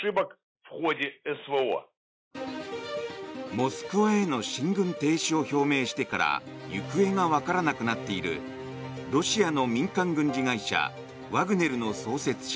モスクワへの進軍停止を表明してから行方がわからなくなっているロシアの民間軍事会社ワグネルの創設者